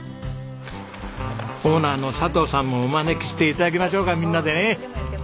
オーナーの佐藤さんもお招きして頂きましょうかみんなでね。